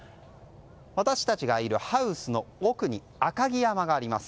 私たちがいるハウスの奥に赤城山があります。